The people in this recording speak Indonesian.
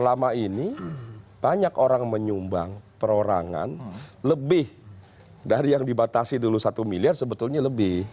jadi di sini banyak orang menyumbang perorangan lebih dari yang dibatasi dulu satu miliar sebetulnya lebih